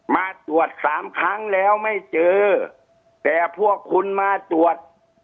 มาตรวจสามครั้งแล้วไม่เจอแต่พวกคุณมาตรวจ